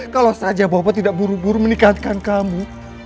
kalau saja bapak tidak buru buru menikahkan kamu